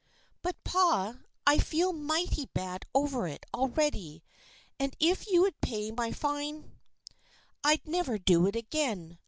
"But, pa, I feel mighty bad over it, already, and if you would pay my fine, I'd never do it again.